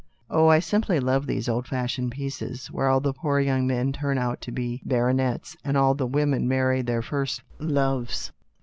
"Oh, I simply love these old fashioned pieces, where all the poor young men turn out to be baronets, and all the women marry their first loves.